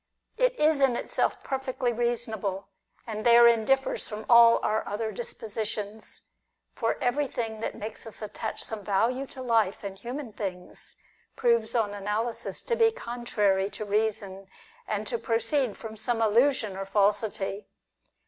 It is in itself perfectly reasonable, and therein differs from all our other dispositions ; for everything which makes us attach some value to life and human things, proves on analysis to be contrary to reason, and to proceed from some illusion or falsity.